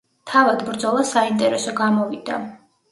თავად ბრძოლა საინტერესო გამოვიდა.